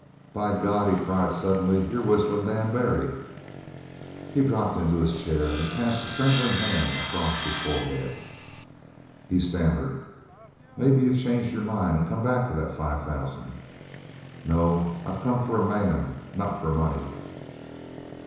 "By God!" he cried suddenly. "You're Whistlin' Dan Barry!" He dropped into his chair and passed a trembling hand across his forehead. He stammered: "Maybe you've changed your mind an' come back for that five thousand?" "No, I've come for a man, not for money."